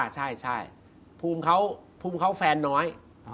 ใช่ใช่ภูมิเขาแฟนน้อย